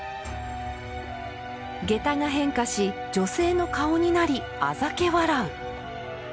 下駄が変化し、女性の顔になりあざけ笑う。